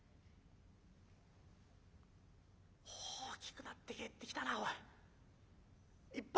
「大きくなって帰ってきたなおい。